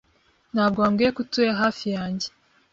Ntabwo wambwiye ko utuye hafi yanjye.